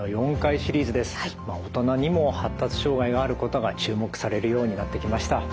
大人にも発達障害があることが注目されるようになってきました。